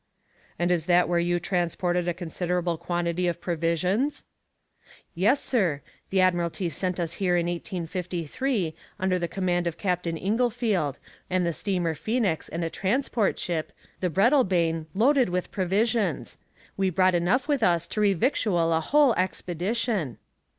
"And is that where you transported a considerable quantity of provisions?" "Yes, sir; the Admiralty sent us here in 1853, under the command of Captain Inglefield, with the steamer Phoenix and a transport ship, the Breadalbane, loaded with provisions; we brought enough with us to revictual a whole expedition."